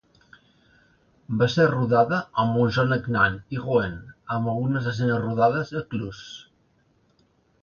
Va ser rodada a Mont-Saint-Aignan i Rouen, amb algunes escenes rodades a Cluses.